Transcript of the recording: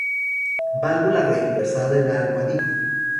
Válvula reemplazada en la almohadilla.